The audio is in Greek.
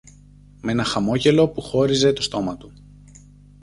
μ' ένα χαμόγελο που χώριζε το στόμα του